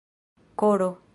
koro